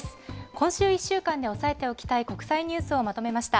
今週１週間で押さえておきたい国際ニュースをまとめました。